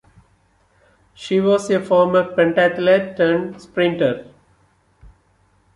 She was a former pentathlete turned sprinter.